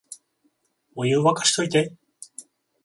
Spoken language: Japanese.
お湯、沸かしといて